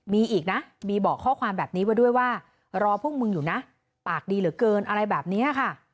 มีอีกนะมีบอกข้อความแบบนี้ไว้ด้วยว่ารอพวกมึงอยู่นะปากดีเหลือเกินอะไรแบบนี้ค่ะ